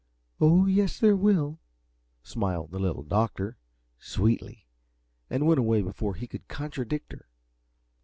"Oh, yes, there will," smiled the Little Doctor, sweetly, and went away before he could contradict her.